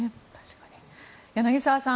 柳澤さん